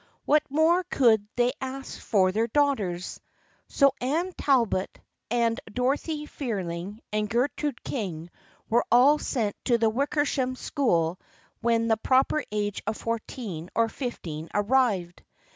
What more could they ask for their daughters? So Anne Talbot and Dorothy Fearing and Gertrude King were all sent to the Wickersham School when the proper age of fourteen or fifteen arrived.